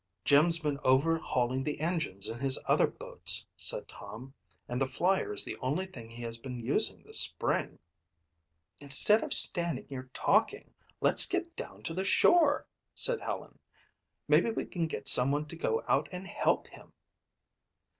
"Jim's been overhauling the engines in his other boats," said Tom, "and the Flyer is the only thing he has been using this spring." "Instead of standing here talking, let's get down to the shore," said Helen. "Maybe we can get someone to go out and help him."